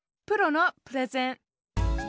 「プロのプレゼン」。